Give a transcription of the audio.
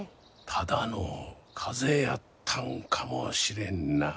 ただの風邪やったんかもしれんな。